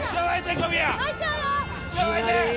小宮。